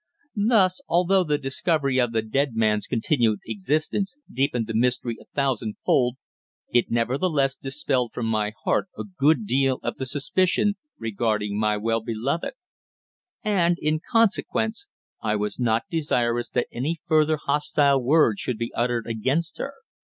Thus, although the discovery of the "dead" man's continued existence deepened the mystery a thousandfold, it nevertheless dispelled from my heart a good deal of the suspicion regarding my well beloved; and, in consequence, I was not desirous that any further hostile word should be uttered against her.